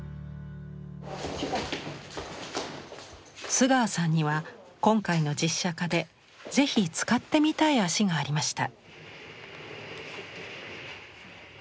須川さんには今回の実写化で是非使ってみたい足がありました。